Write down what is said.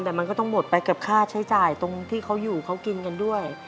แต่มันก็ต้องหมดไปกับค่าใช้จ่ายตรงที่เขาอยู่เขากินกันด้วย